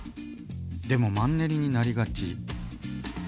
でもマンネリになりがち。